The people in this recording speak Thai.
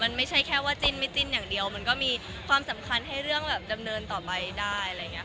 มันไม่ใช่แค่ว่าจิ้นไม่จิ้นอย่างเดียวมันก็มีความสำคัญให้เรื่องแบบดำเนินต่อไปได้อะไรอย่างนี้ค่ะ